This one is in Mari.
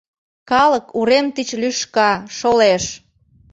Калык урем тич лӱшка, шолеш...